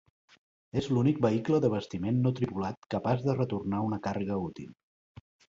És l'únic vehicle d'abastiment no tripulat capaç de retornar una càrrega útil.